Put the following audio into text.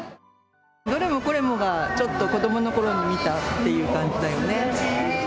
どれもこれもが、ちょっと子どものころに見たっていう感じだよね。